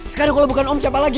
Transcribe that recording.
sekarang kalau bukan om siapa lagi